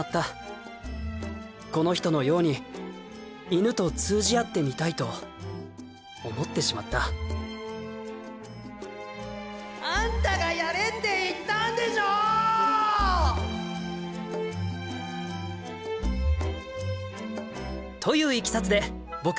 この人のように犬と通じ合ってみたいと思ってしまったあんたがやれって言ったんでしょっ！といういきさつで僕佐村未祐